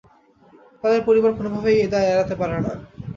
তাদের পরিবার কোনোভাবেই এ দায় এড়াতে পারে না।